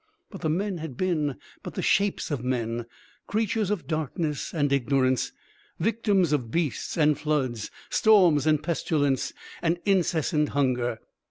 But the men had been but the shapes of men, creatures of darkness and ignorance, victims of beasts and floods, storms and pestilence and incessant hunger.